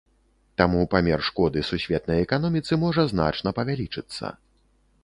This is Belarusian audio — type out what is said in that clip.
Таму памер шкоды сусветнай эканоміцы можа значна павялічыцца.